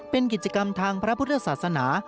เป็นกิจกรรมทางพระพุทธศาสนา